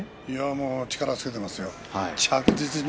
力はつけていますよ